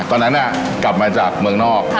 ตอนนั้นกลับมาจากเมืองนอก